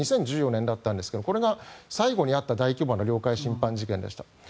２０１４年だったんですがこれが最後にあった大規模な領海侵犯事件でした。